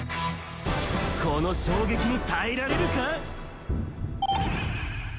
この衝撃に耐えられるか？